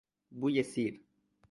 بوی سیر